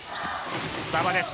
馬場です。